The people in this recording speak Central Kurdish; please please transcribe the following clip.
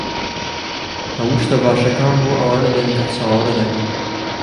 ھەموو شتە باشەکان بۆ ئەوانە دێن کە چاوەڕێ دەکەن.